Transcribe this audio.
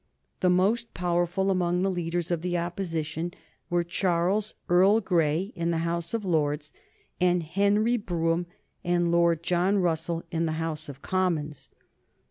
The most powerful among the leaders of Opposition were Charles, Earl Grey, in the House of Lords and Henry Brougham and Lord John Russell in the House of Commons.